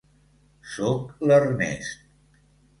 Soc l'Ernest.